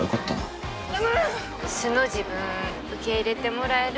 素の自分受け入れてもらえるって自信ある？